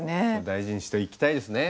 大事にしていきたいですね。